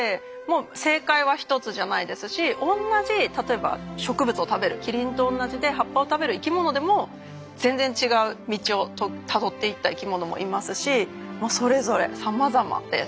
正解は一つじゃないですし同じ例えば植物を食べるキリンと同じで葉っぱを食べる生き物でも全然違う道をたどっていった生き物もいますしそれぞれさまざまです。